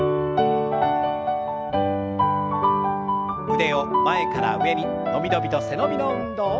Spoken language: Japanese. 腕を前から上に伸び伸びと背伸びの運動。